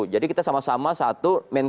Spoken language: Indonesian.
kita sama sama satu